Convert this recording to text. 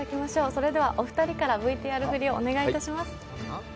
それではお二人からＶＴＲ振りをお願いします。